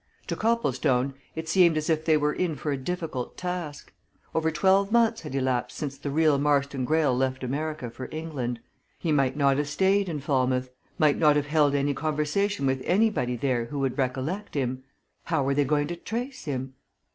To Copplestone it seemed as if they were in for a difficult task. Over twelve months had elapsed since the real Marston Greyle left America for England; he might not have stayed in Falmouth, might not have held any conversation with anybody there who would recollect him! how were they going to trace him?